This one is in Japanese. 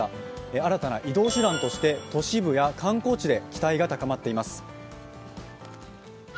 新たな移動手段として都市部や観光地で期待が高まっています。